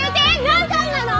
何歳なの？